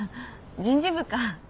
人事部か。